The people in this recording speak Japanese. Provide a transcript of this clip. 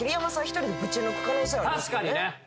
一人でぶち抜く可能性ありますよね。